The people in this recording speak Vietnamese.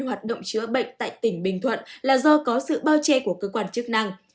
hoạt động chữa bệnh tại tỉnh bình thuận là do có sự bao che của cơ quan chức năng